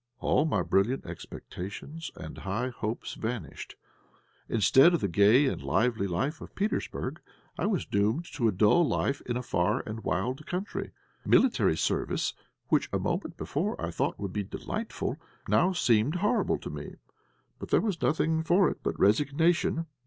All my brilliant expectations and high hopes vanished. Instead of the gay and lively life of Petersburg, I was doomed to a dull life in a far and wild country. Military service, which a moment before I thought would be delightful, now seemed horrible to me. But there was nothing for it but resignation.